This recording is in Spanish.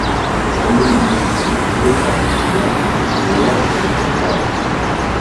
Hoy en día esta posibilidad se considera descartada.